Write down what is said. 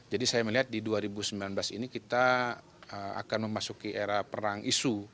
jadi saya melihat di dua ribu sembilan belas ini kita akan memasuki era perang isu